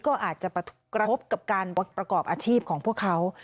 ก็อาจจะกระทบกับการประกอบอาชีพของพวกเขา